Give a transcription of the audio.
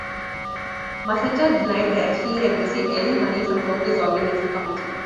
Massata denied that he had received any money from Tokyo's organizing committee.